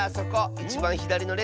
いちばんひだりのれつ。